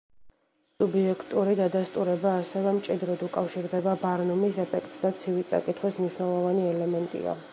სუბიექტური დადასტურება ასევე მჭიდროდ უკავშირდება ბარნუმის ეფექტს და ცივი წაკითხვის მნიშვნელოვანი ელემენტია.